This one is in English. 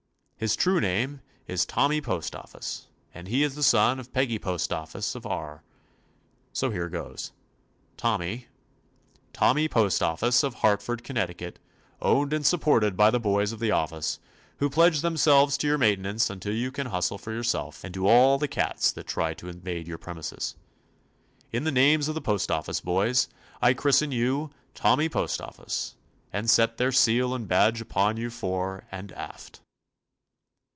His true name is Tommy Postoffice, and he is the son of Peggy Postoffice of R . So here goes. Tommy, — Tommy Postoffice of Hartford, Connecticut, — owned and supported by the boys of the office, who pledge themselves to your maintenance until you can hustle for 51 THE ADVENTURES OF yourself and do all the cats that try to invade your premises. In the names of the postoffice boys, I christen you Tommy Postoffice, and set their seal and badge upon you fore and aft."